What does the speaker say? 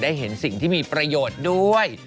เห็นสิ่งที่มีประโยชน์ด้วย